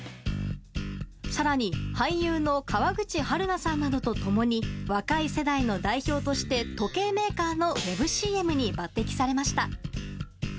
更に俳優の川口春奈さんなどと共に若い世代の代表として時計メーカーのウェブＣＭに抜擢されました。